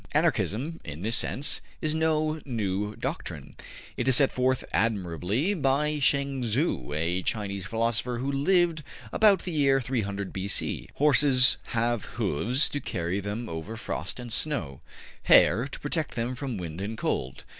Anarchism, in this sense, is no new doctrine. It is set forth admirably by Chuang Tzu, a Chinese philosopher, who lived about the year 300 B. C.: Horses have hoofs to carry them over frost and snow; hair, to protect them from wind and cold.